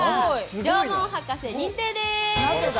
縄文博士、認定です！